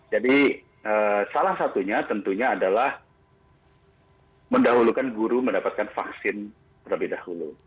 jadi salah satunya tentunya adalah mendahulukan guru mendapatkan vaksin terlebih dahulu